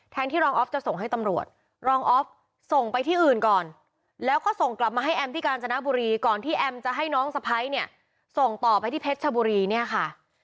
ที่รองออฟจะส่งให้ตำรวจรองออฟส่งไปที่อื่นก่อนแล้วก็ส่งกลับมาให้แอมที่กาญจนบุรีก่อนที่แอมจะให้น้องสะพ้ายเนี่ยส่งต่อไปที่เพชรชบุรีเนี่ยค่ะ